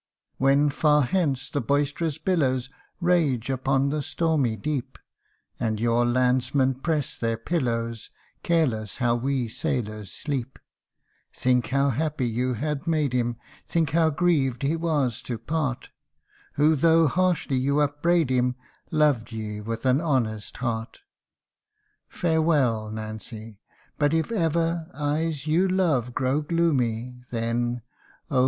When, far hence, the boisterous billows Rage upon the stormy deep; And your landsmen press their pillows, Careless how we sailors sleep : Think how happy you had made him Think how grieved he was to part Who, though harshly you upbraid him, Loved ye, with an honest heart ! THE CROOKED SIXPENCE. 243 Farewell, Nancy, but if ever Eyes you love grow gloomy, then, Oh